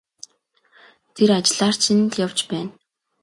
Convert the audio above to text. Тэр ажлаар чинь л явж байна.